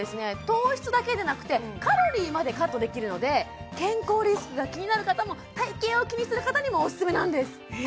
糖質だけでなくてカロリーまでカットできるので健康リスクが気になる方も体形を気にする方にもおすすめなんですえ